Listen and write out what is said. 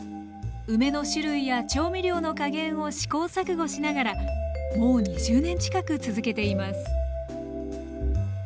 梅の種類や調味料の加減を試行錯誤しながらもう２０年近く続けています